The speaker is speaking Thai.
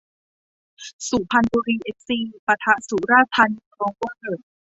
สุพรรณบุรีเอฟซี ปะทะ สุราษฎร์ธานีโรเวอร์